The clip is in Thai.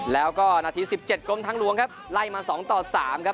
แล้วก็นาที๑๗กรมทางหลวงครับไล่มา๒ต่อ๓ครับ